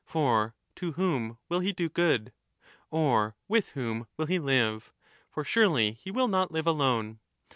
For to whom will he do good ? Or with whom will he live ? For surely he will not live alone.